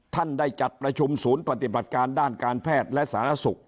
ท่านได้จัดประชุมศูนย์ปฏิบัติการด้านการแพทย์และสารสุข